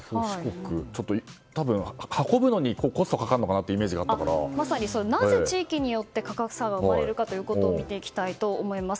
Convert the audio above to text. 運ぶのにコストがかかるなぜ地域によって価格差が生まれるかということを見ていきたいと思います。